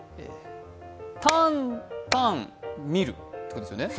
タン・タン・見るってことですよね。